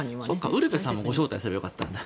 ウルヴェさんもご招待すればよかったんだ。